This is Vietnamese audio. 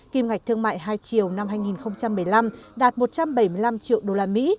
kim ngạch thương mại hai triệu năm hai nghìn một mươi năm đạt một trăm bảy mươi năm triệu đô la mỹ